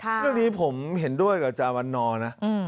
ค่าทีนี้ผมเห็นด้วยกับจไวนอร์นะ